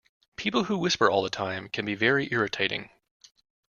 People who whisper all the time can be very irritating